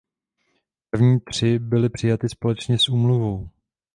První tři byly přijaty společně s úmluvou.